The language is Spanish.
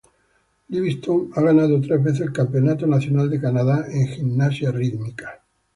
Livingston ha ganado tres veces el campeonato nacional de Canadá en gimnasia rítmica.